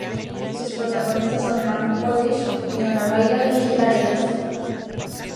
Sus protagonistas son Mark Polish, Winona Ryder y Hilary Duff.